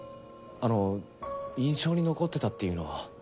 あの印象に残ってたっていうのは？